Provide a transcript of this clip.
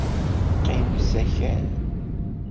Qqim s akal.